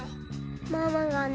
ママがね